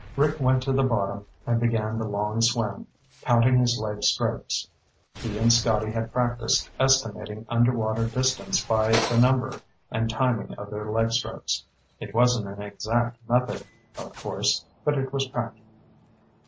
Rick went to the bottom and began the long swim, counting his leg strokes. He and Scotty had practiced estimating underwater distance by the number and timing of their leg strokes. It wasn't an exact method, of course, but it was practical.